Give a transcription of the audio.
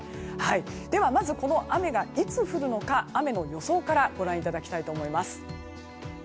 ではまず、この雨がいつ降るのか雨の予想からご覧いただきたいと思います。